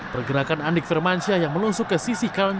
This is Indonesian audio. pergerakan adik firmansya yang melusuk ke sisi kamboja